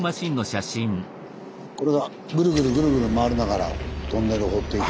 これがグルグルグルグル回りながらトンネルを掘っていく。